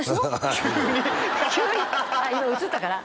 急に急に今映ったから？